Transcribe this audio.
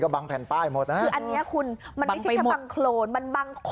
บังทั้งถนนเลย